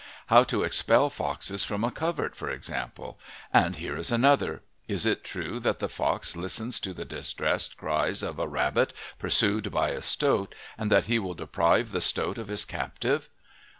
How to expel foxes from a covert, for example; and here is another: Is it true that the fox listens for the distressed cries of a rabbit pursued by a stoat and that he will deprive the stoat of his captive?